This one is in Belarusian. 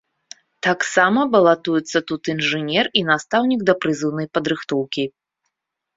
Таксама балатуюцца тут інжынер і настаўнік дапрызыўнай падрыхтоўкі.